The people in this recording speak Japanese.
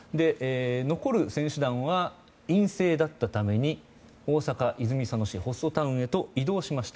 残る選手団は陰性だったために大阪・泉佐野市のホストタウンへと移動しました。